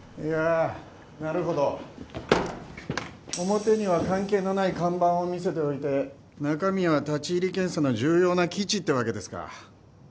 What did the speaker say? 表には関係のない看板を見せておいて中身は立入検査の重要な基地ってわけですか。